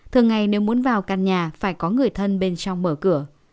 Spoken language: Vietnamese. thường ngày nếu muốn vào căn nhà phải có người thân bên trong mở cửa